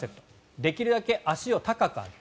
できるだけ足を高く上げる。